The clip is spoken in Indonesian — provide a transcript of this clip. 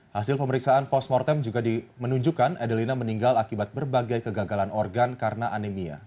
hasil pemeriksaan post mortem juga dimenunjukkan adelina meninggal akibat berbagai kegagalan organ karena anemia